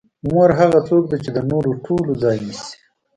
مور هغه څوک ده چې د نورو ټولو ځای نیسي.